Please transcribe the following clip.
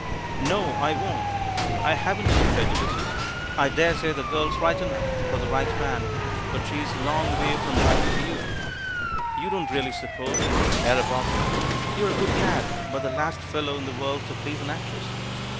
"No, I won't; I haven't any prejudices. I THE FAVOURITE PLOT 267 daresay the girl's right enough — for the right man; but she's a long way from right for you. You don't really suppose she can care about you. You're a good lad, but the last fellow in the world to please an actress.